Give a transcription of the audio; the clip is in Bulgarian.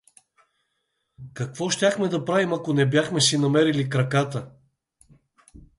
Какво щяхме да правим, ако не бяхме си намерили краката?